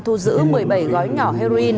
thu giữ một mươi bảy gói nhỏ heroin